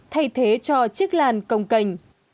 thay thế cho chiếc làn cồng cành